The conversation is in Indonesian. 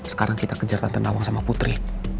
sekarang kita kejar tata nawang sama putri